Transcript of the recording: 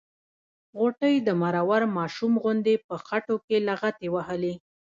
غوټۍ د مرور ماشوم غوندې په خټو کې لغتې وهلې.